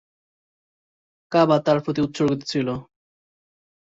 কাবা তার প্রতি উৎসর্গিত ছিল।